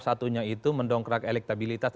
satunya itu mendongkrak elektabilitas